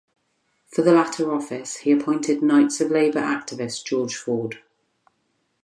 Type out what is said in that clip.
For the latter office, he appointed Knights of Labor activist George Ford.